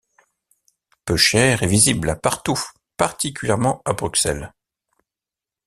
Pechère est visible partout, particulièrement à Bruxelles.